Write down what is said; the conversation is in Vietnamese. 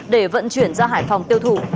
để vận chuyển ra hải phòng tiêu thụ